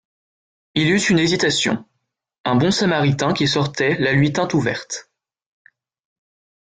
Il eut une hésitation. Un bon samaritain qui sortait la lui tint ouverte.